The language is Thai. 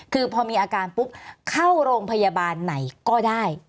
คือพอมีอาการปุ๊บเข้าโรงพยาบาลไหนก็ได้